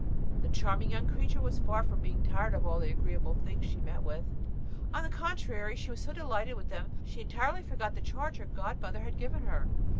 The charming young creature was far from being tired of all the agreeable things she met with. On the contrary, she was so delighted with them that she entirely forgot the charge her godmother had given her.